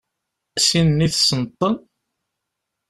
Sin-nni tessneḍ-ten?